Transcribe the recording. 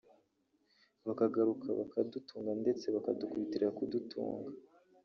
bakagaruka bakadutunga ndetse bakadukubitira kudutunga